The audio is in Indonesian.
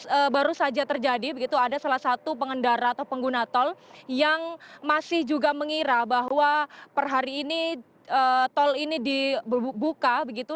ini baru saja terjadi begitu ada salah satu pengendara atau pengguna tol yang masih juga mengira bahwa per hari ini tol ini dibuka begitu